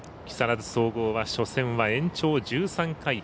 木更津総合は初戦は延長１３回。